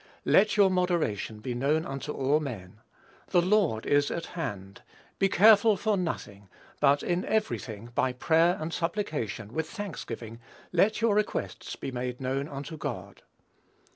"Let your moderation be known unto all men. The Lord is at hand. ([Greek: engys]) Be careful for nothing, but in every thing by prayer and supplication with thanksgiving, let your requests be made known unto God."